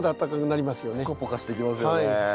ポカポカしてきますよね。